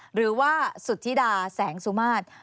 หรือว่าสุธิดาแสงสุมาตร